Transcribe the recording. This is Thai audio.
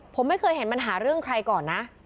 ผมไม่เคยเห็นปัญหาใครหรอกนะ